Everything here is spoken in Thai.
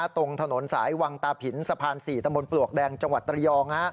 ตรงถนนสายวังตาผินสะพาน๔ตำบลปลวกแดงจังหวัดระยอง